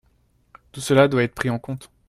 Tout cela doit être pris en compte.